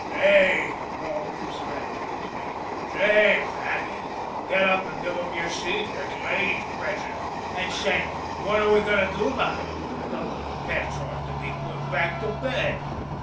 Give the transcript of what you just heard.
"Say!" bawled Coussirat to his mate. "Say, Fatty, get up and give 'em your seat there's ladies present. And say, what are we going to do about it? The little pets ought to be put back to bed."